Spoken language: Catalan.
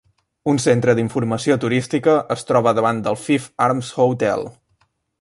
Un centre d'informació turística es troba davant del Fife Arms Hotel.